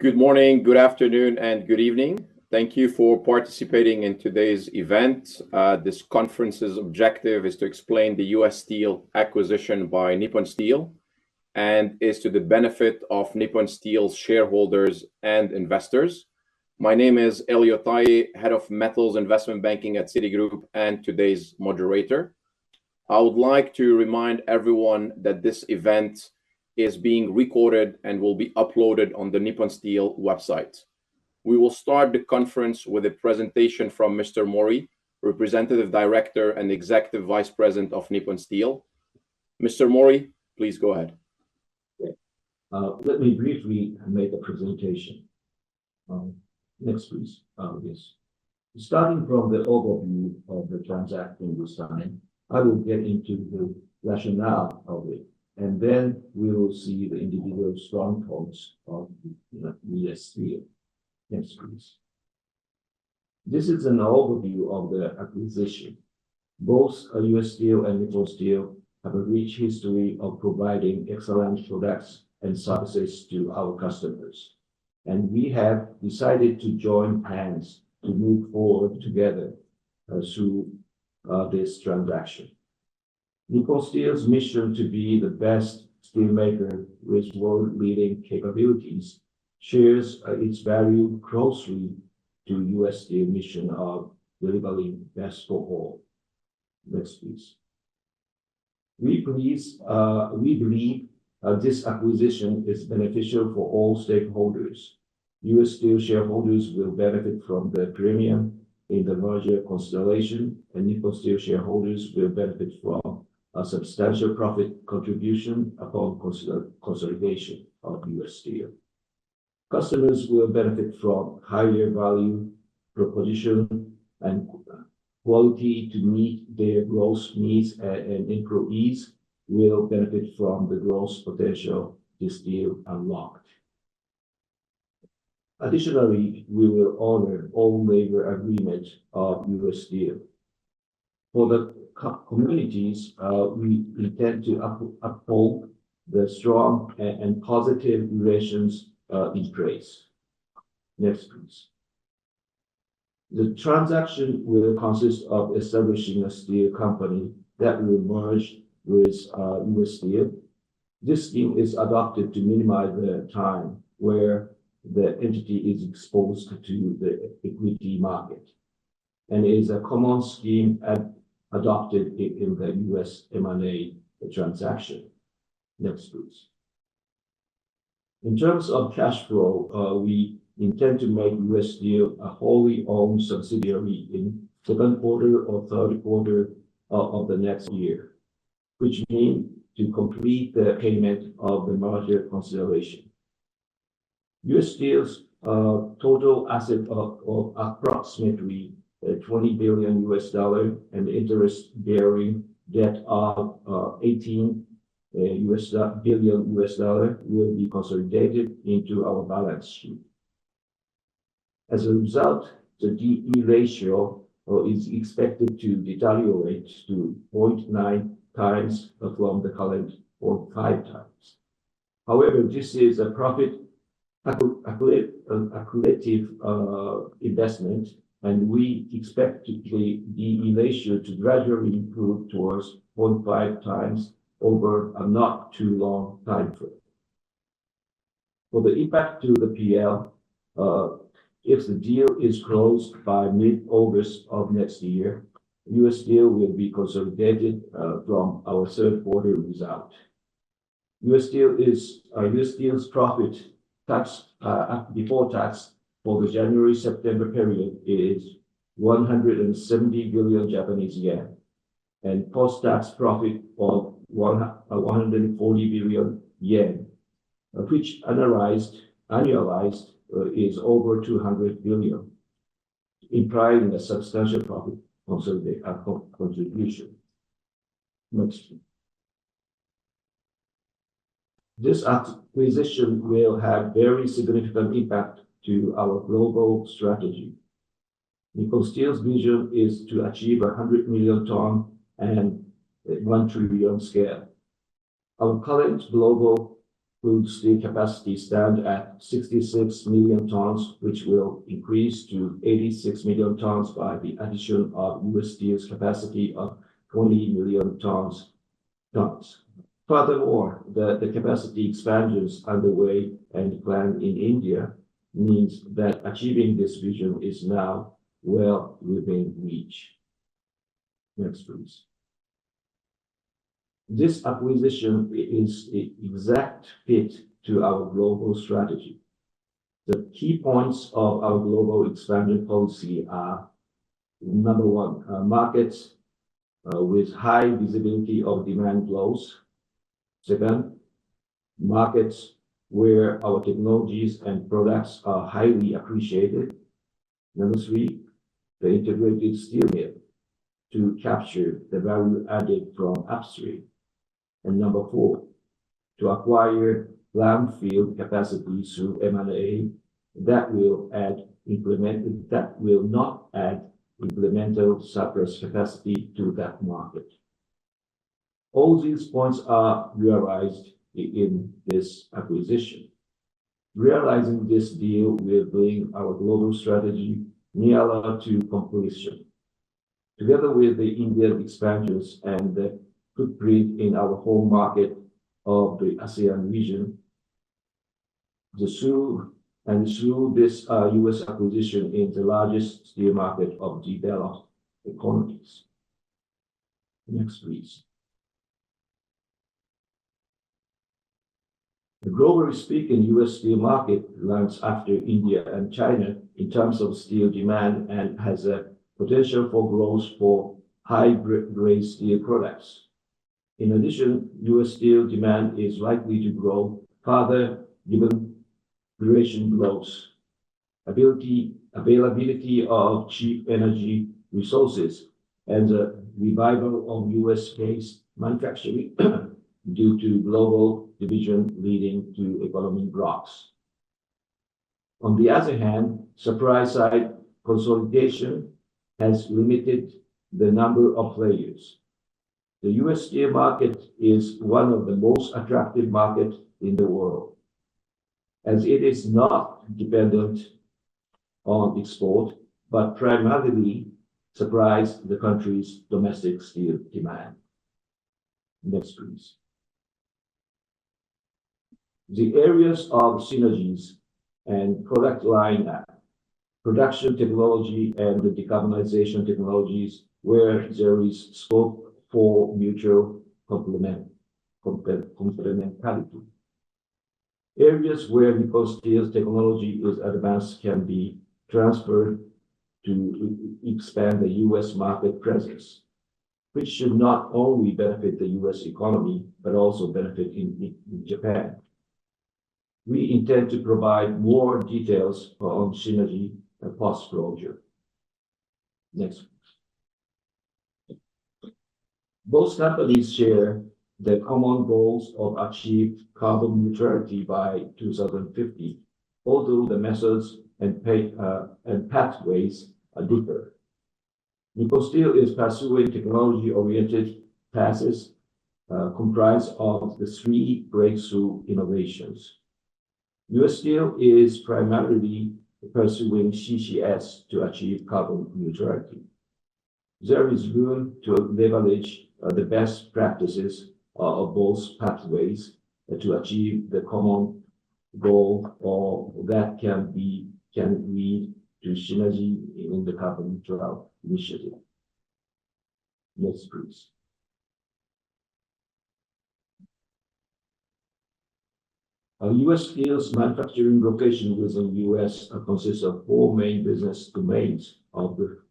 Good morning, good afternoon, and good evening. Thank you for participating in today's event. This conference's objective is to explain the U.S. Steel acquisition by Nippon Steel and is to the benefit of Nippon Steel's shareholders and investors. My name is Elio Tayeh, Head of Metals Investment Banking at Citigroup and today's moderator. I would like to remind everyone that this event is being recorded and will be uploaded on the Nippon Steel website. We will start the conference with a presentation from Mr. Mori, Representative Director and Executive Vice President of Nippon Steel. Mr. Mori, please go ahead. Let me briefly make a presentation. Next, please. Yes. Starting from the overview of the transaction we signed, I will get into the rationale of it, and then we will see the individual strong points of U.S. Steel. Next, please. This is an overview of the acquisition. Both U.S. Steel and Nippon Steel have a rich history of providing excellent products and services to our customers, and we have decided to join hands to move forward together through this transaction. Nippon Steel's mission to be the best steelmaker with world-leading capabilities shares its value closely to U.S. Steel's mission of delivering best for all. Next, please. We believe this acquisition is beneficial for all stakeholders. U.S. Steel shareholders will benefit from the premium in the merger consideration, and Nippon Steel shareholders will benefit from a substantial profit contribution upon consolidation of U.S. Steel. Customers will benefit from higher value proposition and quality to meet their growth needs, and employees will benefit from the growth potential this deal unlocked. Additionally, we will honor all labor agreements of U.S. Steel. For the communities, we intend to uphold the strong and positive relations in place. Next, please. The transaction will consist of establishing a steel company that will merge with U.S. Steel. This scheme is adopted to minimize the time where the entity is exposed to the equity market, and it is a common scheme adopted in the U.S. M&A transaction. Next, please. In terms of cash flow, we intend to make U.S. Steel a wholly-owned subsidiary in the second quarter or third quarter of the next year, which means to complete the payment of the merger consideration. U.S. Steel's total assets of approximately $20 billion and interest-bearing debt of $18 billion will be consolidated into our balance sheet. As a result, the D/E ratio is expected to deteriorate to 0.9 times from the current 0.5 times. However, this is a profit-accretive investment, and we expect the D/E ratio to gradually improve towards 0.5 times over a not-too-long time frame. For the impact to the PL, if the deal is closed by mid-August of next year, U.S. Steel will be consolidated from our third-quarter result. U.S. Steel's profit before tax for the January-September period is 170 billion Japanese yen, and post-tax profit of 140 billion yen, which annualized is over 200 billion, implying a substantial profit-consolidation contribution. Next. This acquisition will have a very significant impact on our global strategy. Nippon Steel's vision is to achieve 100 million tons and 1 trillion scale. Our current global crude steel capacity stands at 66 million tons, which will increase to 86 million tons by the addition of U.S. Steel's capacity of 20 million tons. Furthermore, the capacity expansions underway and planned in India mean that achieving this vision is now well within reach. Next, please. This acquisition is an exact fit to our global strategy. The key points of our global expansion policy are: number one, markets with high visibility of demand flows; second, markets where our technologies and products are highly appreciated; number three, the integrated steel mill to capture the value added from upstream; and number four, to acquire brownfield capacity through M&A that will not add incremental surplus capacity to that market. All these points are realized in this acquisition. Realizing this deal will bring our global strategy nearer to completion. Together with the Indian expansions and the footprint in our home market of the ASEAN region, and through this U.S. acquisition, is the largest steel market of developed economies. Next, please. Globally speaking, the U.S. steel market ranks after India and China in terms of steel demand and has a potential for growth for high-grade steel products. In addition, U.S. steel demand is likely to grow further given enduring growth, availability of cheap energy resources, and the revival of U.S.-based manufacturing due to global division leading to economic growth. On the other hand, the supply-side consolidation has limited the number of players. The U.S. steel market is one of the most attractive markets in the world, as it is not dependent on export but primarily supplies the country's domestic steel demand. Next, please. The areas of synergies and product lineup, production technology, and decarbonization technologies where there is scope for mutual complementarity. Areas where Nippon Steel's technology is advanced can be transferred to expand the U.S. market presence, which should not only benefit the U.S. economy but also benefit Japan. We intend to provide more details on synergy post-closure. Next. Both companies share the common goals of achieving carbon neutrality by 2050, although the methods and pathways are different. Nippon Steel is pursuing technology-oriented practices comprised of the three breakthrough innovations. U.S. Steel is primarily pursuing CCS to achieve carbon neutrality. There is room to leverage the best practices of both pathways to achieve the common goal that can lead to synergy in the carbon neutral initiative. Next, please. U.S. Steel's manufacturing location within the U.S. Consists of four main business domains of the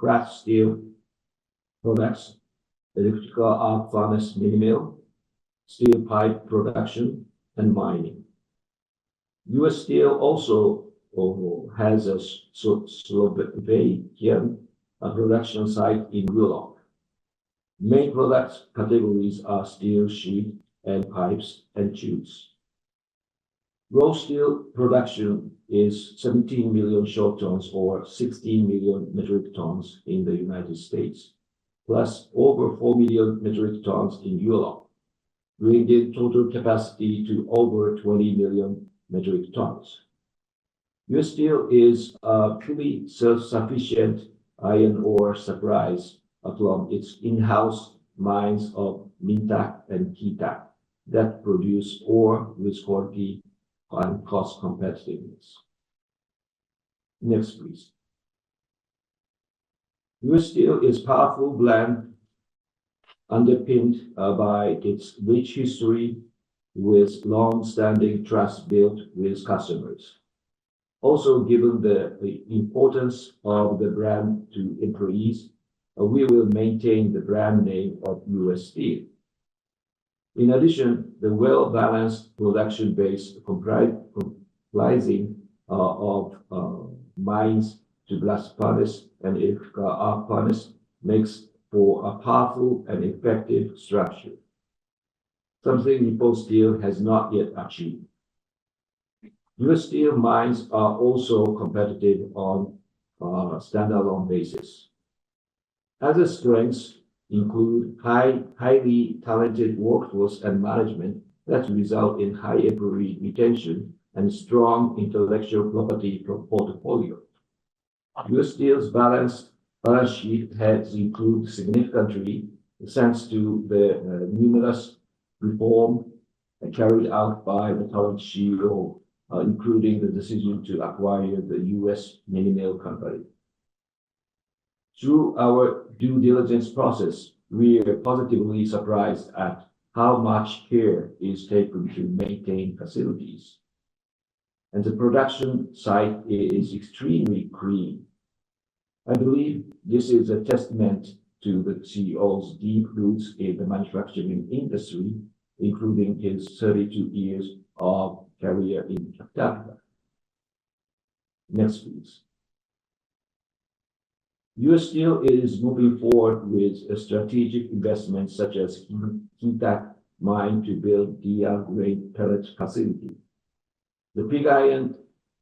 flat-rolled steel products: electric arc furnace mini mill, steel pipe production, and mining. U.S. Steel also has a Slovakian production site in Košice. Main product categories are steel sheet and pipes and tubes. Raw steel production is 17 million short tons or 16 million metric tons in the United States, plus over 4 million metric tons in Košice, bringing total capacity to over 20 million metric tons. U.S. Steel is a fully self-sufficient iron ore supplier from its in-house mines of Minntac and Keetac that produce ore with quality and cost competitiveness. Next, please. U.S. Steel is a powerful brand underpinned by its rich history with long-standing trust built with customers. Also, given the importance of the brand to employees, we will maintain the brand name of U.S. Steel. In addition, the well-balanced production base comprising mines to blast furnace and electric arc furnace makes for a powerful and effective structure, something Nippon Steel has not yet achieved. U.S. Steel mines are also competitive on a standalone basis. Other strengths include highly talented workforce and management that result in high employee retention and strong intellectual property portfolio. U.S. Steel's balance sheet has improved significantly thanks to the numerous reforms carried out by the current CEO, including the decision to acquire the U.S. mini mill company. Through our due diligence process, we are positively surprised at how much care is taken to maintain facilities, and the production site is extremely clean. I believe this is a testament to the CEO's deep roots in the manufacturing industry, including his 32 years of career in Caterpillar. Next, please. U.S. Steel is moving forward with strategic investments such as Keetac Mine to build DR-grade pellet facility. The pig iron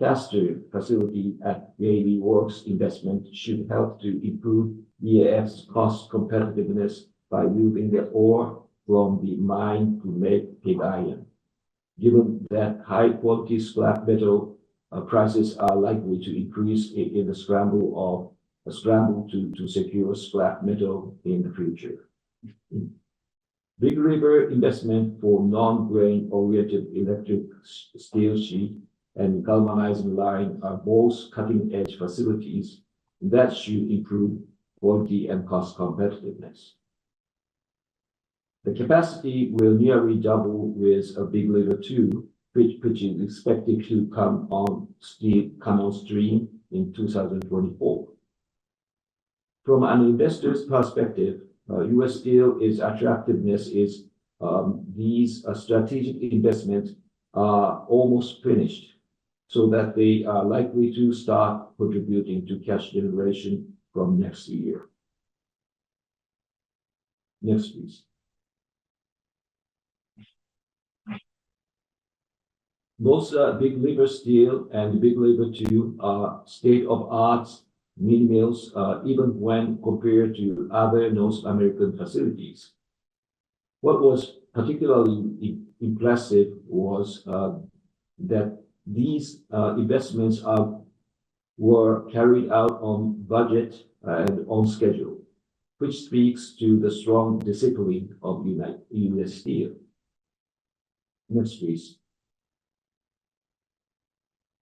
caster facility at Gary Works investment should help to improve EAF's cost competitiveness by moving the ore from the mine to make pig iron. Given that high-quality scrap metal prices are likely to increase in the scramble to secure scrap metal in the future. Big River investment for non-grain-oriented electric steel sheet and galvanizing line are both cutting-edge facilities that should improve quality and cost competitiveness. The capacity will nearly double with Big River 2, which is expected to come on stream in 2024. From an investor's perspective, U.S. Steel's attractiveness is these strategic investments are almost finished so that they are likely to start contributing to cash generation from next year. Next, please. Both Big River Steel and Big River 2 are state-of-the-art mini mills even when compared to other North American facilities. What was particularly impressive was that these investments were carried out on budget and on schedule, which speaks to the strong discipline of U.S. Steel. Next, please.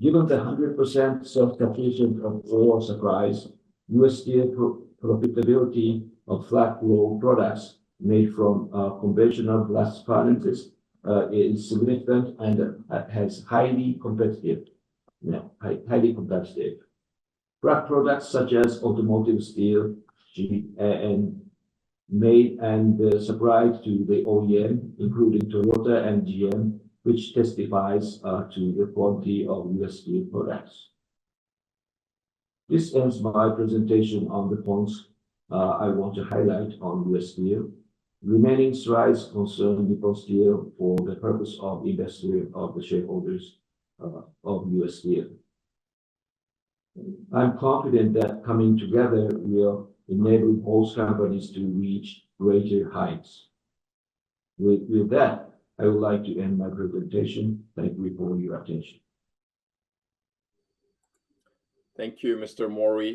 Given the 100% self-sufficiency in iron ore supply, U.S. Steel's profitability of flat-roll products made from conventional blast furnaces is significant and highly competitive. Products such as automotive steel made and supplied to the OEM, including Toyota and GM, which testifies to the quality of U.S. Steel products. This ends my presentation on the points I want to highlight on U.S. Steel. Remaining slides concern Nippon Steel for the purpose of investment of the shareholders of U.S. Steel. I'm confident that coming together will enable both companies to reach greater heights. With that, I would like to end my presentation. Thank you for your attention. Thank you, Mr. Mori.